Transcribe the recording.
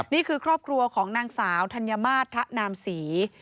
นี่คือครอบครัวของนางสาวธัญมาตรทะนามศรี